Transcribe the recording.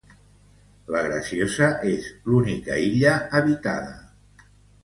La Graciosa és l'única illa habitada.